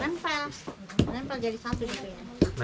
nempel nempel jadi satu gitu ya